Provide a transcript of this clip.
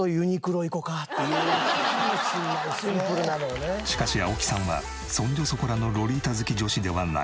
なんかしかし青木さんはそんじょそこらのロリータ好き女子ではない。